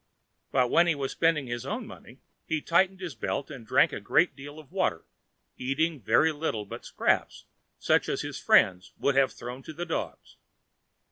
But when he was spending his own money, he tightened his belt and drank a great deal of water, eating very little but scraps such as his friends would have thrown to the dogs.